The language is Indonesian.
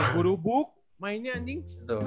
buru buk mainnya anjing